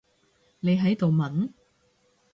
你喺度問？